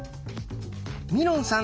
みのんさん